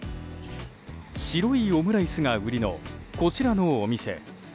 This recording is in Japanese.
白いオムライスが売りのこちらのお店。